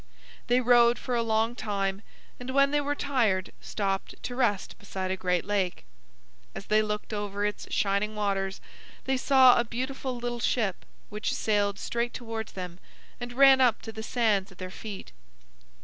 They rode for a long time, and when they were tired, stopped to rest beside a great lake. As they looked over its shining waters, they saw a beautiful little ship, which sailed straight towards them, and ran up to the sands at their feet.